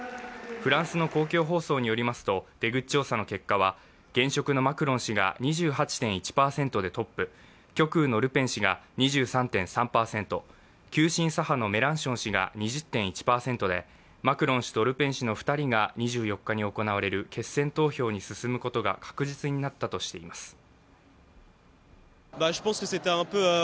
フランスの公共放送によりますと、出口調査の結果は現職のマクロン氏が２８．１％でトップ、極右のルペン氏が２３．３％急進左派のメランション氏が２０．１％で、マクロン氏とルペン氏の２人が２４日に行われる決選投票に進むことが確実になったとしています。